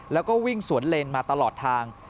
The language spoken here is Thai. แล้วก็วิ่งสวนเลนมาตลอดทาง